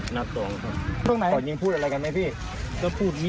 ก็พูดขึ้นท่านมรุมนี้